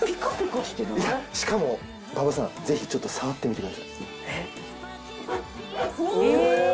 しかも馬場さんぜひちょっと触ってみてください。